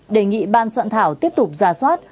đề nghị ban soạn thảo tiếp tục giả soát